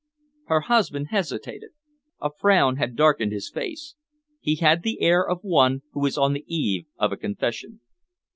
Her husband hesitated. A frown had darkened his face. He had the air of one who is on the eve of a confession.